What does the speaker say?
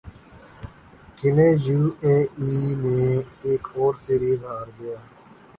قلعے U A E میں ایک اور سیریز ہار گیا